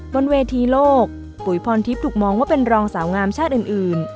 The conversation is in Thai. บนเวทีโลกปุ๋ยพรทิพย์ถูกมองว่าเป็นรองสาวงามชาติอื่น